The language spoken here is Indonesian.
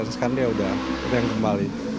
resiskan dia udah yang kembali